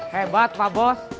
hebat pak bos